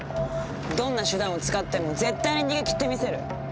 どんな手段を使っても絶対逃げ切ってみせる！